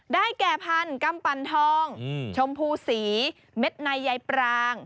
แก่พันธุ์กำปั่นทองชมพูสีเม็ดในใยปราง